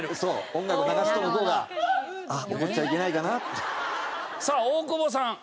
音楽流すと向こうが「あっ怒っちゃいけないかな」。さあ大久保さん。